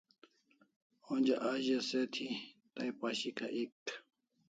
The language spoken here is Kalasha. Onja a ze se thi tai pashika ek dai